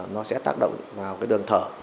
nó sẽ tác động vào đường thở